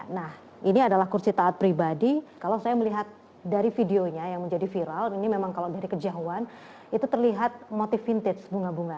nah ini adalah kursi taat pribadi kalau saya melihat dari videonya yang menjadi viral ini memang kalau dari kejauhan itu terlihat motif vintage bunga bunga